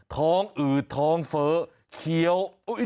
ทองอืดทองเฟ้เขียว